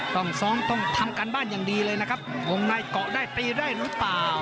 ต้องซ้อมต้องทำการบ้านอย่างดีเลยนะครับวงในเกาะได้ตีได้หรือเปล่า